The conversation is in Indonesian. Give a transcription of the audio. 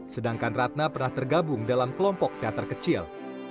sedangkan ratna pernah tergabung dalam kelompok teater kecil